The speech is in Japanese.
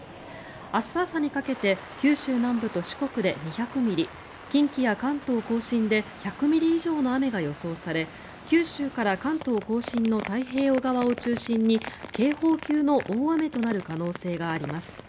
明日朝にかけて九州南部と四国で２００ミリ近畿や関東・甲信で１００ミリ以上の雨が予想され九州から関東・甲信の太平洋側を中心に警報級の大雨となる可能性があります。